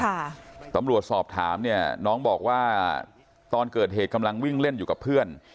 ตำรวจสอบถามเนี่ยน้องบอกว่าตอนเกิดเหตุกำลังวิ่งเล่นอยู่กับเพื่อน